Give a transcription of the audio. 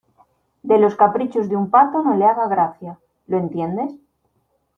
de los caprichos de un pato no le haga gracia. ¿ lo entiendes?